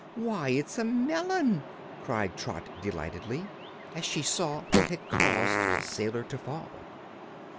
"Why, it's a melon!" cried Trot delightedly, as she saw what had caused the sailor to fall.